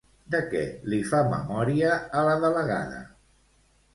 De què li fa memòria a la delegada?